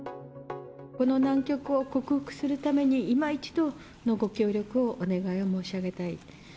この難局を克服するために、今一度のご協力をお願いを申し上げたい。